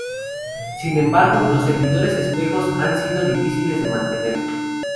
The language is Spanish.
Sin embargo, los servidores espejos han sido difíciles de mantener.